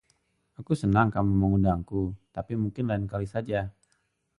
Aku senang kamu mengundangku, tapi mungkin lain kali saja.